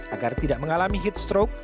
agar tidak mengalami heat stroke